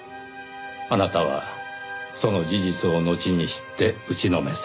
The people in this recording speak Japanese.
あなたはその事実をのちに知って打ちのめされた。